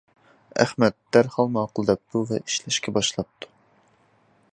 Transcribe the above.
ئەخمەت دەرھال ماقۇل دەپتۇ ۋە ئىشلەشكە باشلاپتۇ.